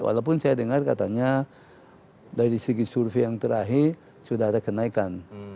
walaupun saya dengar katanya dari segi survei yang terakhir sudah ada kenaikan